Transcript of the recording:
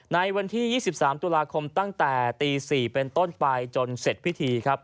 ในวันที่๒๓ตุลาคมตั้งแต่ตี๔เป็นต้นไปจนเสร็จพิธีครับ